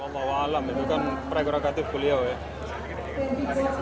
saya prerogatif beliau ya